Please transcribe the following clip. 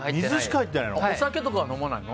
お酒とかは飲まないの？